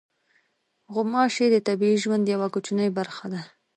غوماشې د طبیعي ژوند یوه کوچنۍ برخه ده.